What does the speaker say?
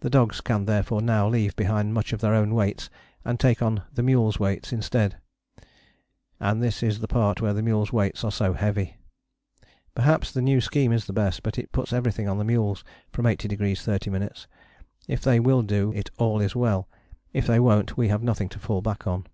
The dogs can therefore now leave behind much of their own weights and take on the mules' weights instead. And this is the part where the mules' weights are so heavy. Perhaps the new scheme is the best, but it puts everything on the mules from 80° 30´: if they will do it all is well: if they won't we have nothing to fall back on.